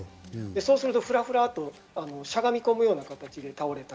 そうすると、ふらふらとしゃがみ込む形で倒れ込む。